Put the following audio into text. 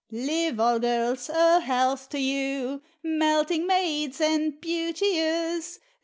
Live all girls! A health to you, Melting maids and beauteous!